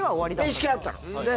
面識はあったの。